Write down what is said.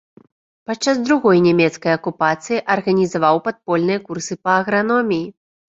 Падчас другой нямецкай акупацыі, арганізаваў падпольныя курсы па аграноміі.